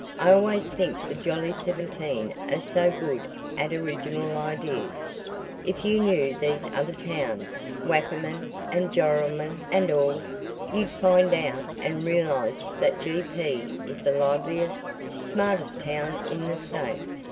I always think the Jolly Seventeen are so good at original ideas. If you knew these other towns Wakamin and Joralemon and all, you'd find out and realize that G. P. is the liveliest, smartest town in the state.